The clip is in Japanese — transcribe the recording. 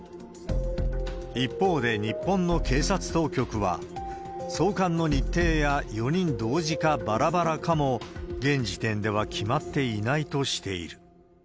一方で日本の警察当局は、送還の日程や、４人同時かばらばらかも、現時点では決まっていないとしている。